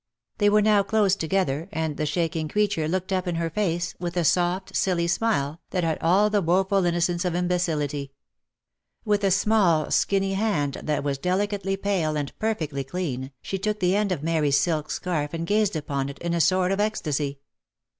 They were now close together, and the shaking creature looked up in her face, with a soft, silly smile, that had all the woful innocence of imbecility. With a small, skinny hand that was deli cately pale, and perfectly clean, she took the end of Mary's silk scarf and gazed upon it in a sort of ecstasy.